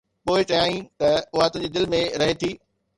پوءِ چيائين ته اها تنهنجي دل ۾ رهي ٿي.